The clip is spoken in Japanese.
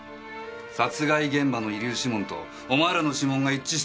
殺害現場の遺留指紋とお前らの指紋が一致したんだよ。